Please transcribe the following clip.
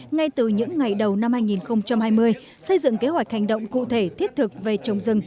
ngay từ những ngày đầu năm hai nghìn hai mươi xây dựng kế hoạch hành động cụ thể thiết thực về trồng rừng